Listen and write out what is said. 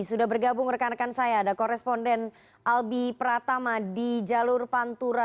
sudah bergabung rekan rekan saya ada koresponden albi pratama di jalur pantura